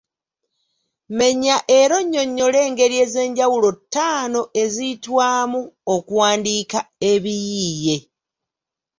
Menya era onnyonnyole engeri ez’enjawulo ttaano eziyitwamu okuwandika ebiyiiye.